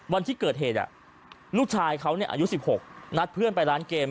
วันที่เกิดเหตุลูกชายเขาอายุ๑๖นัดเพื่อนไปร้านเกม